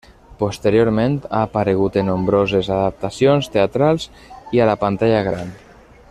Posteriorment ha aparegut en nombroses adaptacions teatrals i a la pantalla gran.